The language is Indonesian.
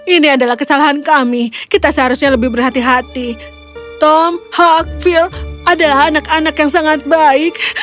ini adalah kesalahan kami kita seharusnya lebih berhati hati tom hoaxfill adalah anak anak yang sangat baik